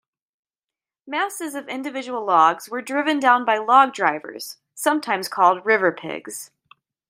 Masses of individual logs were driven down by log drivers, sometimes called river pigs.